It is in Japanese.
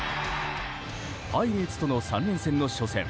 パイレーツとの３連戦の初戦。